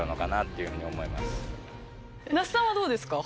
那須さんはどうですか？